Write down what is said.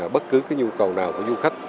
bất cứ cái nhu cầu nào của du khách